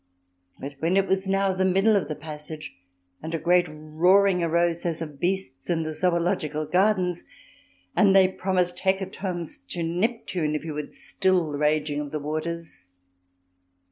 But when it was now the middle of the passage and a great roaring arose as of beasts in the Zoological Gardens, and they promised hecatombs to Neptune if he would still the raging of the waves